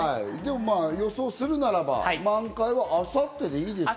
予想するならば、満開は明後日でいいですか？